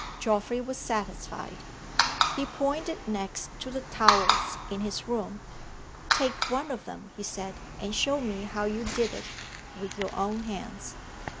Geoffrey was satisfied. He pointed next to the towels in his room. "Take one of them," he said, "and show me how you did it, with your own hands."